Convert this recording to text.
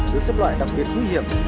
được xếp loại đặc biệt phú hiểm